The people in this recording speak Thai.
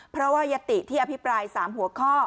เพราะว่ายติที่อภิปราย๓หัวข้อ